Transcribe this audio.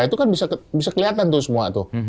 itu kan bisa kelihatan tuh semua tuh